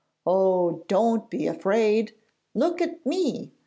'Oh, don't be afraid! Look at me!